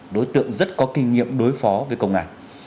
đối tượng rất có kinh nghiệm đối phó với công an